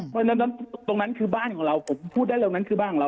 และตรงนั้นของเราผมพูดได้เรื่องนั้นคือบ้านของเรา